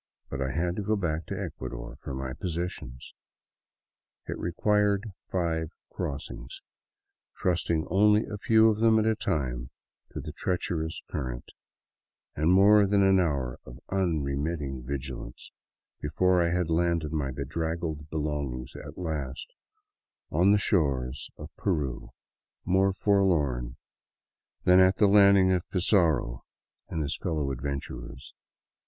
But I had to go back to Ecuador for my possessions. It re quired five crossings, trusting only a few of them at a time to the treacherous current, and more than an hour of unremitting vigilance, before I had landed my bedraggled belongings at last on the shores of Peru, more forlorn than at the landing of Pizarro and his fellow 214 THE WILDS OF NORTHERN PERU adventurers.